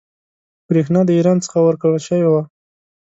برېښنا د ایران څخه ورکول شوې وه.